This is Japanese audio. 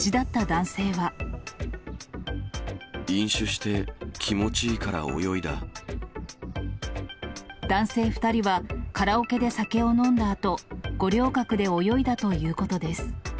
男性２人はカラオケで酒を飲んだあと、五稜郭で泳いだということです。